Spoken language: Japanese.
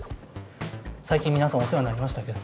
最近皆さんお世話になりましたけど。